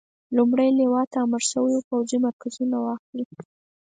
لومړۍ لواء ته امر شوی وو پوځي مرکزونه واخلي.